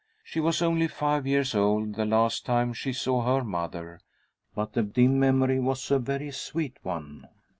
She was only five years old the last time she saw her mother, but the dim memory was a very sweet one.